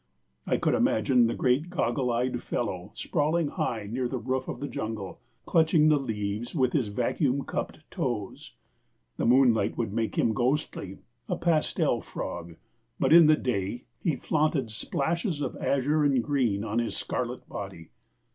I could imagine the great goggle eyed fellow sprawled high near the roof of the jungle, clutching the leaves with his vacuum cupped toes. The moonlight would make him ghostly a pastel frog; but in the day he flaunted splashes of azure and green on his scarlet body.